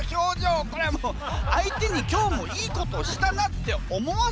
これはもう相手に今日もいいことしたなって思わせたよね。